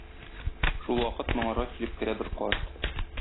Шулвакыт моңарга килеп керә бер карт.